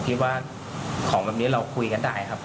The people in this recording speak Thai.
คิดว่าของแบบนี้เราคุยกันได้ครับ